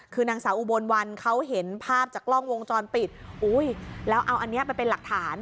คือนางสาวอุบลวันเขาเห็นภาพจากกล้องวงจรปิดอุ้ยแล้วเอาอันนี้ไปเป็นหลักฐาน